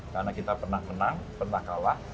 karena kita pernah menang pernah kalah